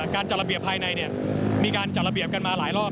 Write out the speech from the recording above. การจัดระเบียบภายในมีการจัดระเบียบกันมาหลายรอบ